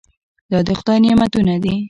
دا د خدای نعمتونه دي.